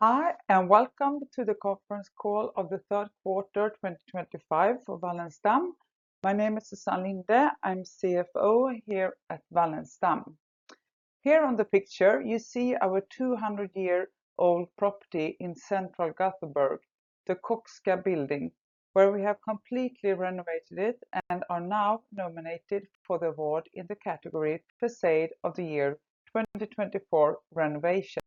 Hi, and welcome to the Conference Call of the Q3 2025 for Wallenstam. My name is Susann Linde. I'm CFO here at Wallenstam. Here on the picture, you see our 200-year-old property in Central Göteborg, the Kochska building, where we have completely renovated it and are now nominated for the award in the category Facade of the Year 2024 Renovation.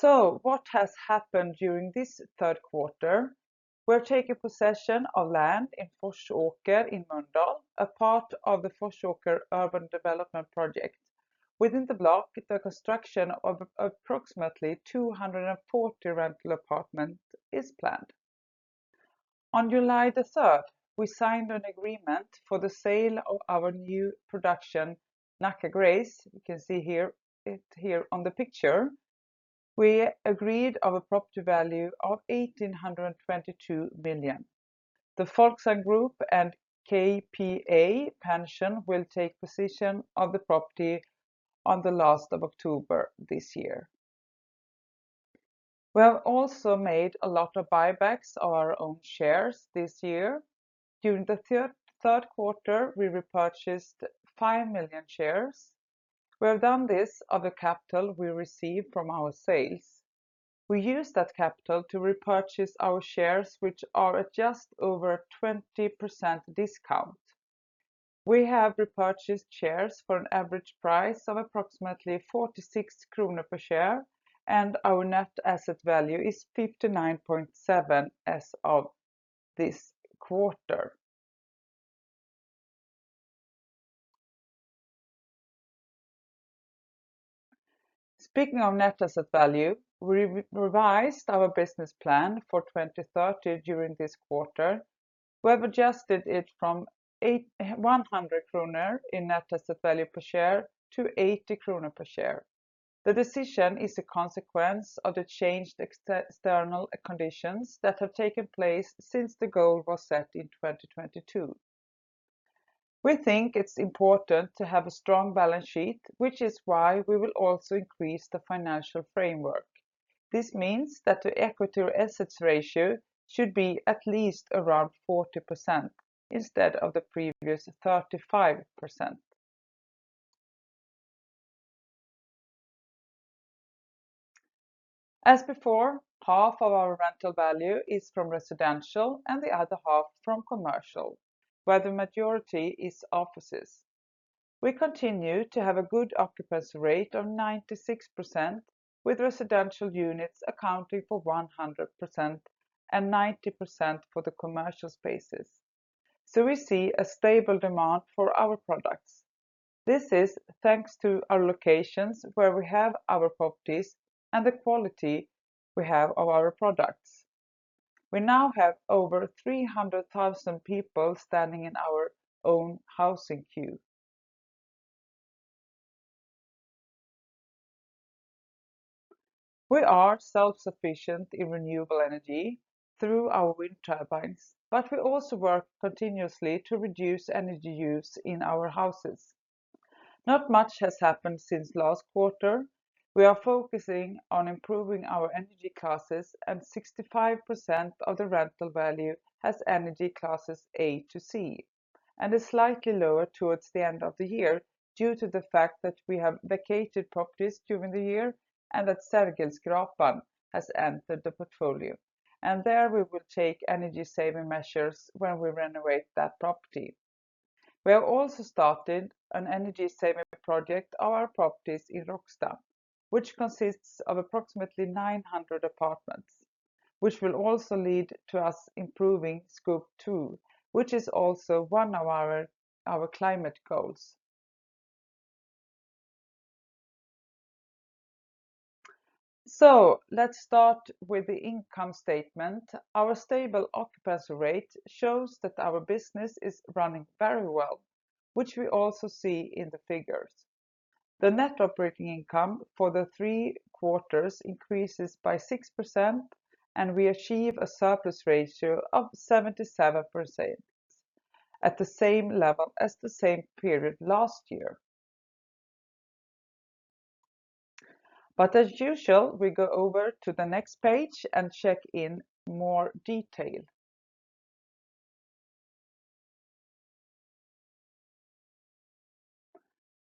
So, what has happened during this third quarter? We're taking possession of land in Forsåker in Mölndal, a part of the Forsåker Urban Development Project. Within the block, the construction of approximately 240 rental apartments is planned. On July the 3rd, we signed an agreement for the sale of our new production, Nacka Grace. You can see here on the picture. We agreed on a property value of 1,822 million. The Folksam Group and KPA Pension will take possession of the property on the last of October this year. We have also made a lot of buybacks of our own shares this year. During the Q3, we repurchased five million shares. We have done this of the capital we received from our sales. We used that capital to repurchase our shares, which are at just over 20% discount. We have repurchased shares for an average price of approximately 46 kronor per share, and our net asset value is 59.7 as of this quarter. Speaking of net asset value, we revised our business plan for 2030 during this quarter. We have adjusted it from 100 kronor in net asset value per share to 80 kronor per share. The decision is a consequence of the changed external conditions that have taken place since the goal was set in 2022. We think it's important to have a strong balance sheet, which is why we will also increase the financial framework. This means that the equity-to-assets ratio should be at least around 40% instead of the previous 35%. As before, half of our rental value is from residential and the other half from commercial, where the majority is offices. We continue to have a good occupancy rate of 96%, with residential units accounting for 100% and 90% for the commercial spaces. So, we see a stable demand for our products. This is thanks to our locations where we have our properties and the quality we have of our products. We now have over 300,000 people standing in our own housing queue. We are self-sufficient in renewable energy through our wind turbines, but we also work continuously to reduce energy use in our houses. Not much has happened since last quarter. We are focusing on improving our energy classes, and 65% of the rental value has energy classes A to C, and it's slightly lower towards the end of the year due to the fact that we have vacated properties during the year and that Sergelskrapan has entered the portfolio, and there we will take energy-saving measures when we renovate that property. We have also started an energy-saving project of our properties in Råcksta, which consists of approximately 900 apartments, which will also lead to us improving Scope 2, which is also one of our climate goals. Let's start with the income statement. Our stable occupancy rate shows that our business is running very well, which we also see in the figures. The net operating income for the three quarters increases by 6%, and we achieve a surplus ratio of 77% at the same level as the same period last year, but as usual, we go over to the next page and check in more detail.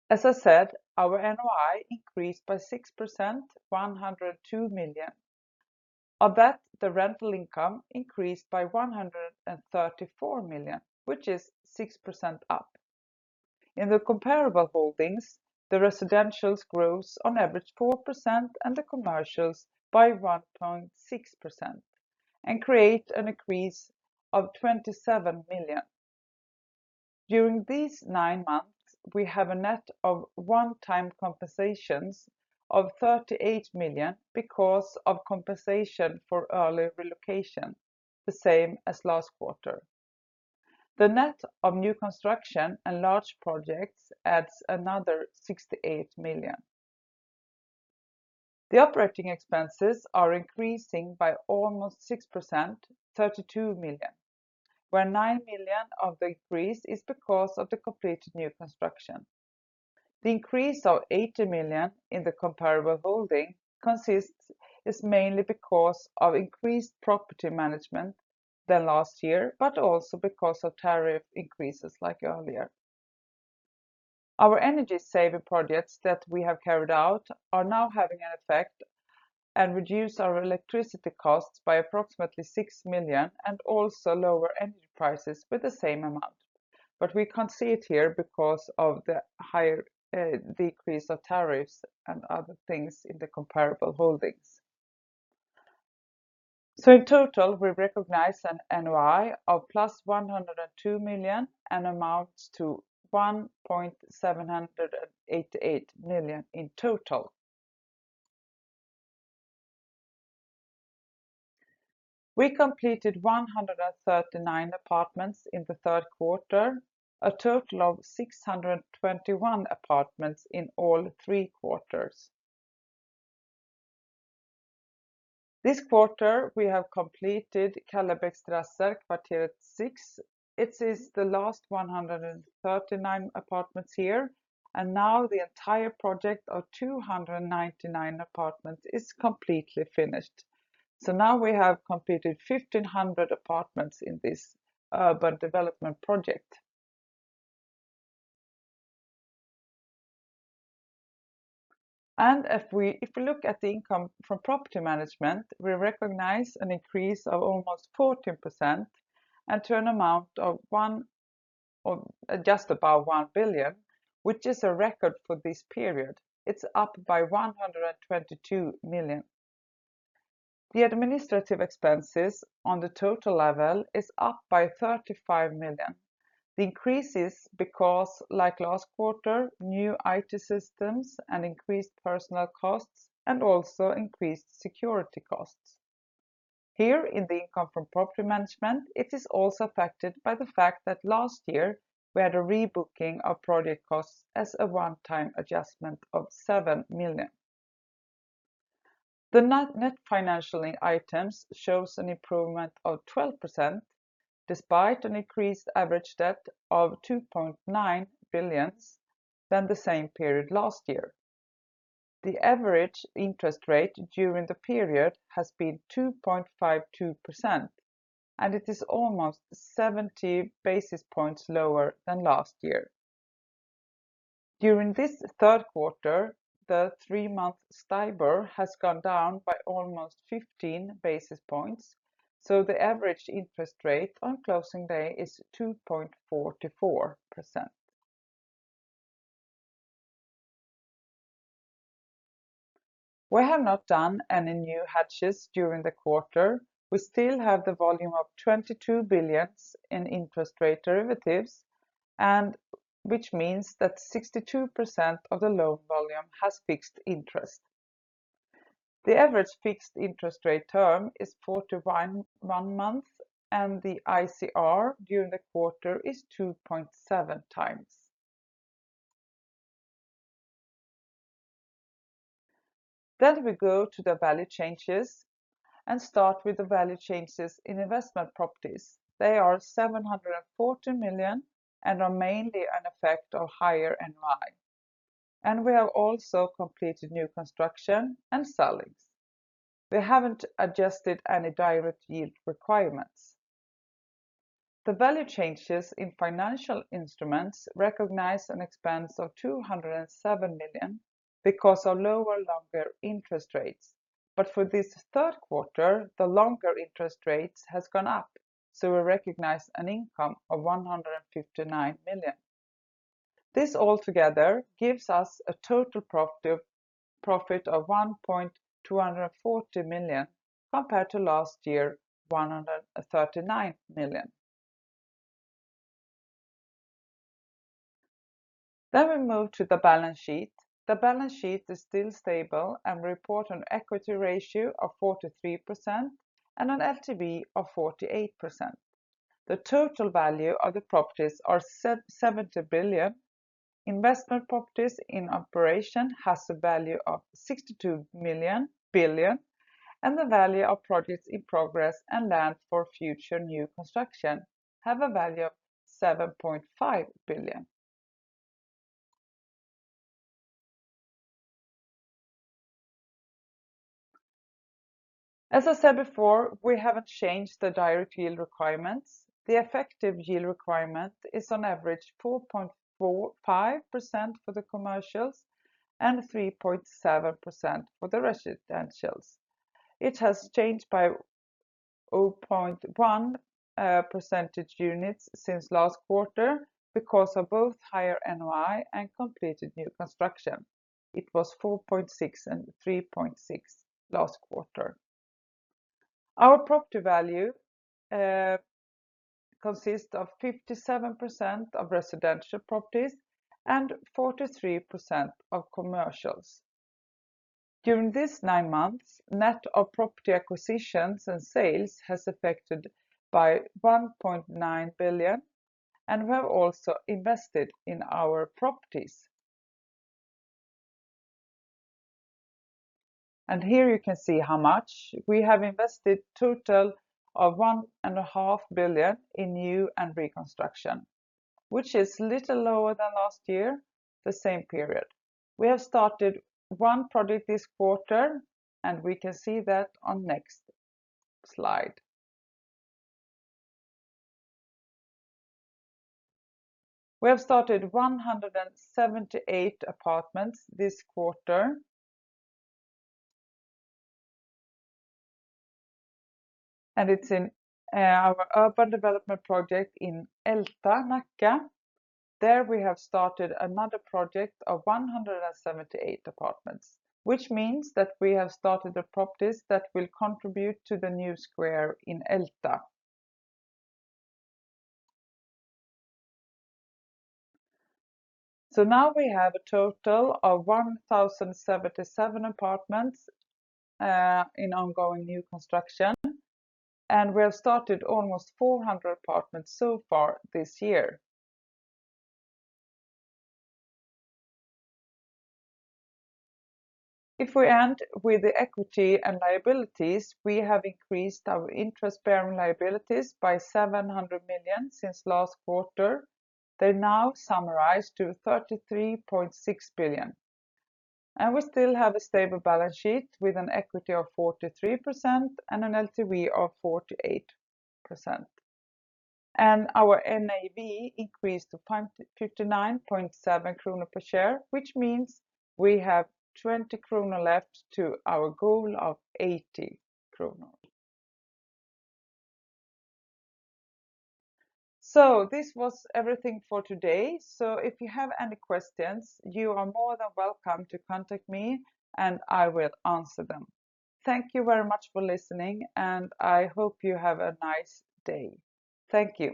As I said, our NOI increased by 6%, 102 million. Of that, the rental income increased by 134 million, which is 6% up. In the comparable holdings, the residentials grow on average 4% and the commercials by 1.6% and create an increase of 27 million. During these nine months, we have a net of one-time compensations of 38 million because of compensation for early relocation, the same as last quarter. The net of new construction and large projects adds another 68 million. The operating expenses are increasing by almost 6%, 32 million, where 9 million of the increase is because of the completed new construction. The increase of 80 million in the comparable holding consists mainly because of increased property management than last year, but also because of tariff increases like earlier. Our energy-saving projects that we have carried out are now having an effect and reduce our electricity costs by approximately 6 million and also lower energy prices with the same amount. But we can't see it here because of the higher decrease of tariffs and other things in the comparable holdings. So, in total, we recognize an NOI of plus 102 million and amounts to 1,788 million in total. We completed 139 apartments in the third quarter, a total of 621 apartments in all three quarters. This quarter, we have completed Kallebäcks Terrasser, Kvarter 6. It is the last 139 apartments here, and now the entire project of 299 apartments is completely finished. So now we have completed 1,500 apartments in this urban development project. And if we look at the income from property management, we recognize an increase of almost 14% and to an amount of just about 1 billion, which is a record for this period. It's up by 122 million. The administrative expenses on the total level is up by 35 million. The increase is because, like last quarter, new IT systems and increased personal costs and also increased security costs. Here in the income from property management, it is also affected by the fact that last year we had a rebooking of project costs as a one-time adjustment of 7 million. The net financial items show an improvement of 12% despite an increased average debt of 2.9 billion than the same period last year. The average interest rate during the period has been 2.52%, and it is almost 70 basis points lower than last year. During this Q3 the three-month STIBOR has gone down by almost 15 basis points, so the average interest rate on closing day is 2.44%. We have not done any new hedges during the quarter. We still have the volume of 22 billion in interest rate derivatives, which means that 62% of the loan volume has fixed interest. The average fixed interest rate term is 41 months, and the ICR during the quarter is 2.7 times. Then we go to the value changes and start with the value changes in investment properties. They are 740 million and are mainly an effect of higher NOI. And we have also completed new construction and sales. We haven't adjusted any direct yield requirements. The value changes in financial instruments recognize an expense of 207 million because of lower longer interest rates. But for this third quarter, the longer interest rate has gone up, so we recognize an income of 159 million. This altogether gives us a total profit of 1,240 million compared to last year's 139 million. Then we move to the balance sheet. The balance sheet is still stable and reports an equity ratio of 43% and an LTV of 48%. The total value of the properties is 70 billion. Investment properties in operation have a value of 62 billion, and the value of projects in progress and land for future new construction has a value of SEK 7.5 billion. As I said before, we haven't changed the direct yield requirements. The effective yield requirement is on average 4.5% for the commercials and 3.7% for the residentials. It has changed by 0.1 percentage units since last quarter because of both higher NOI and completed new construction. It was 4.6 and 3.6 last quarter. Our property value consists of 57% of residential properties and 43% of commercials. During these nine months, the net of property acquisitions and sales has affected by 1.9 billion, and we have also invested in our properties, and here you can see how much. We have invested a total of 1.5 billion in new and reconstruction, which is a little lower than last year, the same period. We have started one project this quarter, and we can see that on the next slide. We have started 178 apartments this quarter, and it's in our urban development project in Älta, Nacka. There we have started another project of 178 apartments, which means that we have started the properties that will contribute to the new square in Älta, so now we have a total of 1,077 apartments in ongoing new construction, and we have started almost 400 apartments so far this year. If we end with the equity and liabilities, we have increased our interest-bearing liabilities by 700 million since last quarter. They now sum up to 33.6 billion, and we still have a stable balance sheet with an equity of 43%. Thank you very much for listening, and I hope you have a nice day. Thank you.